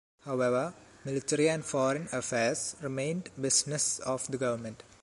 However, military and foreign affairs remained business of the government.